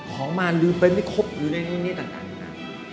ของมาลืมไปไม่ครบอยู่ในนู่นเนี่ยต่างนะ